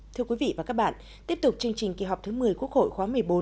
thưa quý vị và các bạn tiếp tục chương trình kỳ họp thứ một mươi quốc hội khóa một mươi bốn